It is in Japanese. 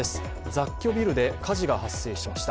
雑居ビルで火事が発生しました。